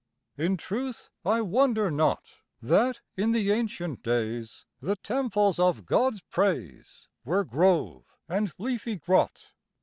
In truth I wonder not, That in the ancient days The temples of God's praise Were grove and leafy grot.